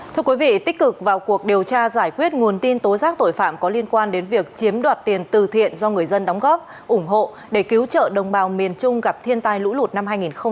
thưa quý vị tích cực vào cuộc điều tra giải quyết nguồn tin tố giác tội phạm có liên quan đến việc chiếm đoạt tiền từ thiện do người dân đóng góp ủng hộ để cứu trợ đồng bào miền trung gặp thiên tai lũ lụt năm hai nghìn hai mươi ba